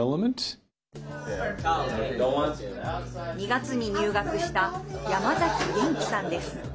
２月に入学した山崎元気さんです。